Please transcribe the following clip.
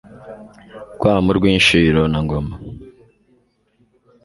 Rwamu rw' Inshiro na Ngoma